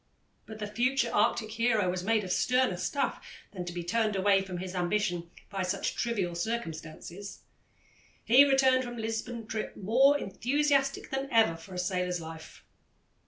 But the future Arctic hero was made of sterner stuff than to be turned away from his ambition by such trivial circumstances. He returned from the Lisbon trip more enthusiastic than ever for a sailor's life.